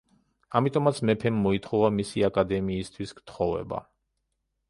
ამიტომაც მეფემ მოითხოვა მისი აკადემიისთვის თხოვება.